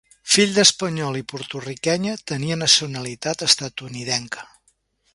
Fill d'espanyol i porto-riquenya, tenia nacionalitat estatunidenca.